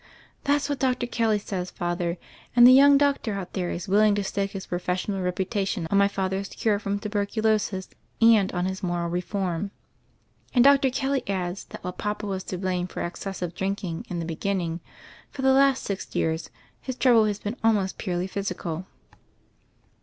"That's what Dr. Kelly says, Father, and the young doctor out there is willing to stake his professional reputation on my father's cure from tuberculosis and on his moral reform; and Dr. Kelly adds that while papa was to blame for excessive drinking in the beginning, for the last six years his trouble has been almost purely physical."